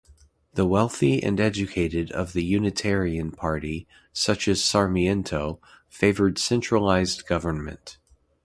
The wealthy and educated of the Unitarian Party, such as Sarmiento, favored centralized government.